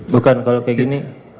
bukan kalau kayak gini